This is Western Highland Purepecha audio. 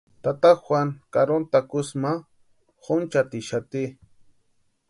Tata Juan karoni takusï ma jonchatixati.